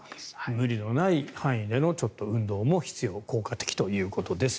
無理のない範囲での運動も必要、効果的ということです。